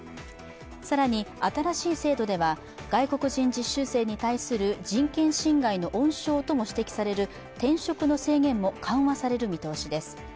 更に新しい制度は外国人実習生に対する人権侵害の温床とも指摘される転職の制限も緩和される見通しです。